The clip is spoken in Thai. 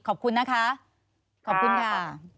ขอบคุณนะคะขอบคุณค่ะ